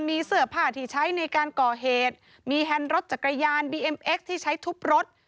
มีเสื้อผ้าที่ใช้ในการก่อเหตุมีแฮนด์รถจักรยานบีเอ็มเอ็กซ์ที่ใช้ทุบรถ